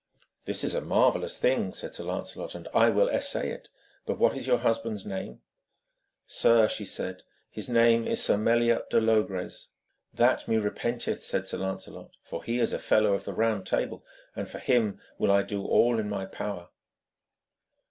'This is a marvellous thing,' said Sir Lancelot, 'and I will essay it. But what is your husband's name?' 'Sir,' she said, 'his name is Sir Meliot de Logres.' 'That me repenteth,' said Sir Lancelot, 'for he is a fellow of the Round Table, and for him will I do all in my power.'